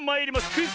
クイズ